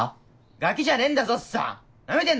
ガキじゃねえんだぞおっさん！